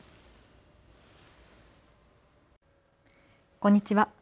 こんにちは。